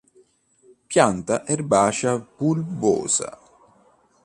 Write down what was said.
Pianta erbacea bulbosa.